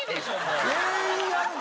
全員やるの？